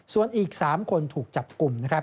ส่วนอีก๓คนถูกจับกลุ่ม